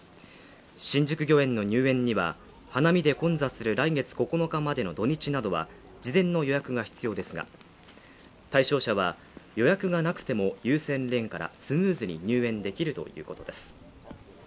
新宿御苑の入園には花見で混雑する来月９日までの土日などは事前の予約が必要ですが、対象者は、予約がなくても、優先レーンからスムーズに入園できるということです。